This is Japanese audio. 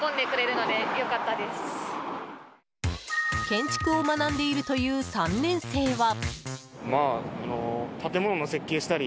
建築を学んでいるという３年生は。